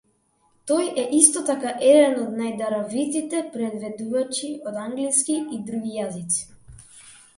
Тој е исто така еден од најдаровитите преведувачи од англиски и други јазици.